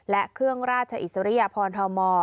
และเครื่องราชอิสริยพรทม